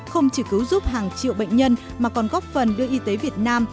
không chỉ cứu giúp hàng triệu bệnh nhân mà còn góp phần đưa y tế việt nam